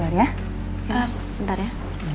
aku temenin kamu